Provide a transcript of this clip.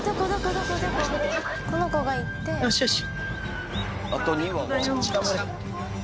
よしよし。